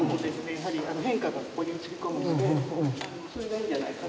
やはり変化がここに映り込むのでそれがいいんじゃないかと。